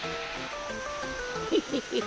フフフフ。